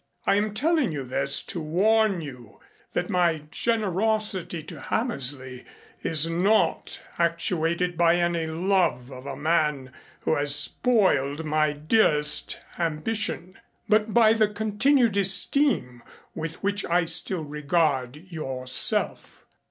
I am telling you this to warn you that my generosity to Hammersley is not actuated by any love of a man who has spoiled my dearest ambition, but by the continued esteem with which I still regard yourself.